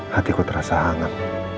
hatiku terasa hangat